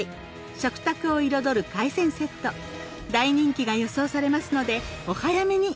食卓を彩る海鮮セット大人気が予想されますのでお早めに。